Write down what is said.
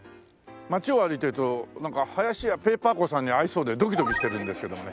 街を歩いてるとなんか林家ペー・パー子さんに会いそうでドキドキしてるんですけどもね。